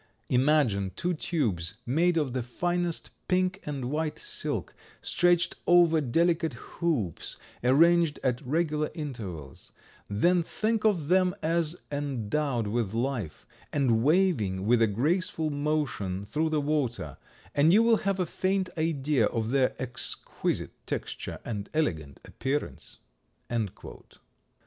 Imagine two tubes made of the finest pink and white silk, stretched over delicate hoops arranged at regular intervals; then think of them as endowed with life, and waving with a graceful motion through the water, and you will have a faint idea of their exquisite texture and elegant appearance."